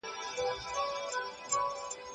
په وضعي قوانینو کي د ژوند حق ته پاملرنه کېږي.